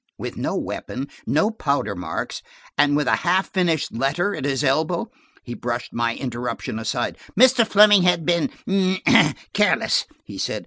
"With no weapon, no powder marks, and with a half finished letter at his elbow." He brushed my interruption aside. "Mr. Fleming had been–careless," he said.